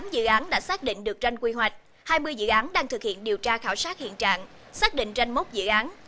tám dự án đã xác định được tranh quy hoạch hai mươi dự án đang thực hiện điều tra khảo sát hiện trạng xác định tranh mốc dự án